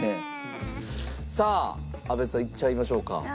さあ阿部さんいっちゃいましょうか。